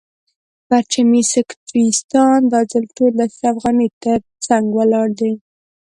پرچمي سکتریستان دا ځل ټول د اشرف غني تر څنګ ولاړ دي.